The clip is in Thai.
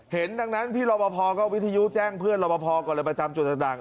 เห็นดังนั้นพี่รอบพอร์ก็วิทยุแจ้งเพื่อนรอบพอร์ก่อนเลยไปจำจุดจัดด่าง